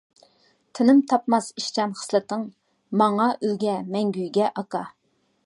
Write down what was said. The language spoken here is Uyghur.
تىنىم تاپماس ئىشچان خىسلىتىڭ، ماڭا ئۈلگە مەڭگۈگە ئاكا.